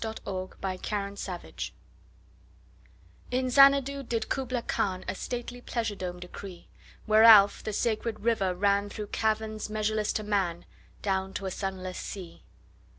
Kubla Khan IN Xanadu did Kubla Khan A stately pleasure dome decree: Where Alph, the sacred river, ran Through caverns measureless to man Down to a sunless sea.